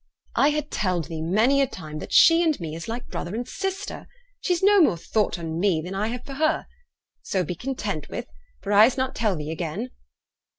'I ha' telled thee many a time that she and me is like brother and sister. She's no more thought on me nor I have for her. So be content wi't, for I'se not tell thee again.'